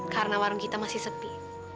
karena warung kita masih sepi